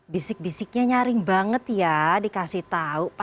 bisik bisiknya nyaring banget ya dikasih tahu